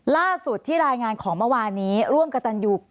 ล่าสุดที่รายงานของเมื่อวานนี้ร่วมกับตันยู